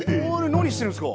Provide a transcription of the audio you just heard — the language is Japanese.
何してるんすか。